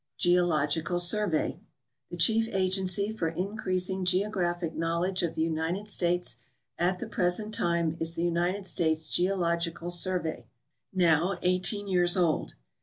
Geological Survey. — The chief agency for increasing geographic knowledge of the United States at the present time is the United States Geological Survey, now eighteen years old.